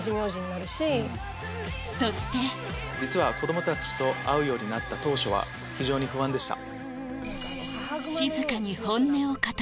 初々しいそして「子供たちと会うようになった当初は非常に不安でした」。